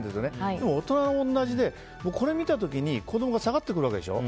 でも、大人も同じでこれを見た時に子供が下がってくるわけでしょ。